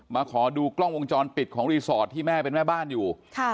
มาขอดูกล้องวงจรปิดของรีสอร์ทที่แม่เป็นแม่บ้านอยู่